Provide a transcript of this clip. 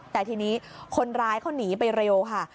แต่ทีนี้คนร้ายเขาหนีไปเร็วค่ะ